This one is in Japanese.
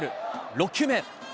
６球目。